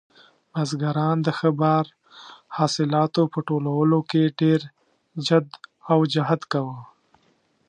بزګران د ښه بار حاصلاتو په ټولولو کې ډېر جد او جهد کاوه.